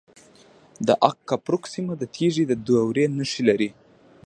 د اق کپروک سیمه د تیږې د دورې نښې لري